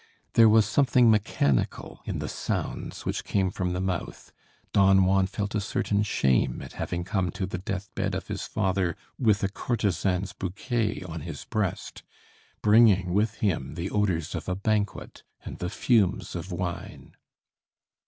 There was something mechanical in the sounds which came from the mouth. Don Juan felt a certain shame at having come to the deathbed of his father with a courtesan's bouquet on his breast, bringing with him the odors of a banquet and the fumes of wine.